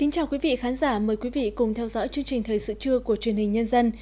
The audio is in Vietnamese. chào mừng quý vị đến với bộ phim thời sự trưa của truyền hình nhân dân